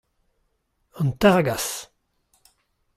An targazh.